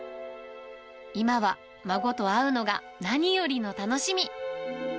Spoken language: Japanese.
今は孫と会うのが何よりの楽しみ。